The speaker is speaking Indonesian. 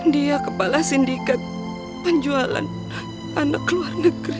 dia kepala sindikat penjualan anak luar negeri